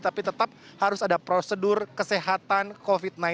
tapi tetap harus ada prosedur kesehatan covid sembilan belas